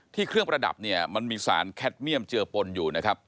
เครื่องประดับเนี่ยมันมีสารแคทเมี่ยมเจือปนอยู่นะครับ